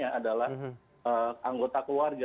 adalah anggota keluarga